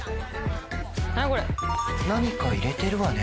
何か入れてるわね